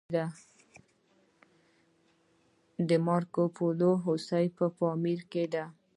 د مارکوپولو هوسۍ په پامیر کې ده